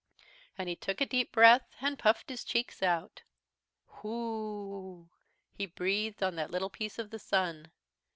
"And he took a deep breath and puffed his cheeks out. "Whurrrooooo! he breathed on that little piece of the Sun.